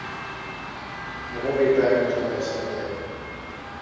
I won't be back until next Sunday.